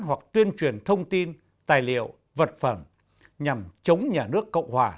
hoặc tuyên truyền thông tin tài liệu vật phẩm nhằm chống nhà nước cộng hòa